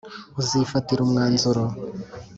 uzifatira umwanzuro”